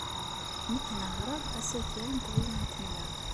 Nekk nehṛeɣ asakal n tɣiwant-nneɣ.